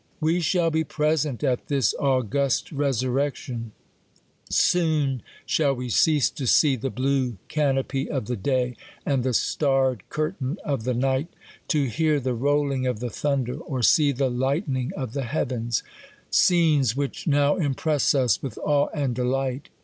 We shall be present at this august resurrection] Soon shall we cease to see the blue canopy of the day, and the starred curtain of the night ; to hear the rolling of the thunder, or see the lightning of the heavens; scenes, which now impress us with awe and delight.